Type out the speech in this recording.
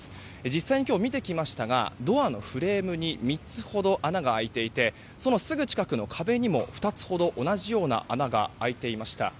実際今日、見てきましたがドアのフレームに３つほど穴が開いていてそのすぐ近くの壁にも２つほど、同じような穴が開いていました。